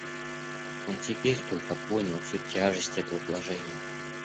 Он теперь только понял всю тяжесть этого положения.